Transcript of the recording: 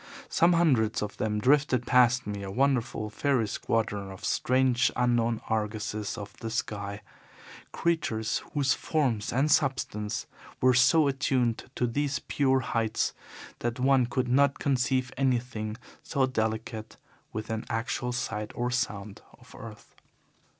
Some hundreds of them drifted past me, a wonderful fairy squadron of strange unknown argosies of the sky creatures whose forms and substance were so attuned to these pure heights that one could not conceive anything so delicate within actual sight or sound of earth.